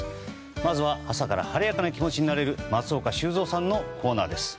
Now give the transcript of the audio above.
まずは朝から晴れやかな気持ちになれる松岡修造さんのコーナーです。